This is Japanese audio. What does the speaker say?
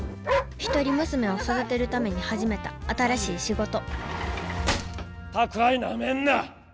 １人娘を育てるために始めた新しい仕事宅配なめんな！